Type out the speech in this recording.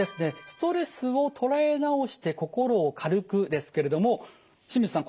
「ストレスをとらえなおして心を軽く」ですけれども清水さん